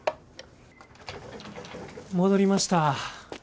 戻りました。